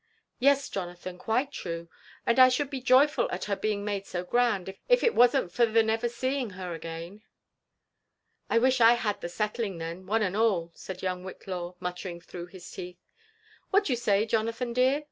'' Y^es, Jonathan, quite true ; and I should be joyful at her being made so grand, if it wasn't for the never seeing her again." '' I wish I had the settling them, one and all," said young Whitlaw, muttering through his teeth. '< What d'ye say, Jonathan dear?"